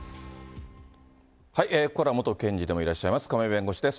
ここから元検事でもいらっしゃいます、亀井弁護士です。